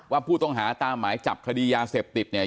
ว่าผู้ต้องหาตามหมายจับคดียาเสพติดเนี่ย